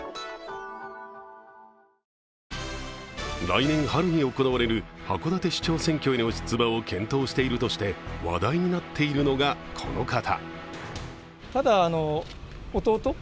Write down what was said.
来年春に行われる函館市長選挙への出馬を検討しているとして話題になっているのがこの方。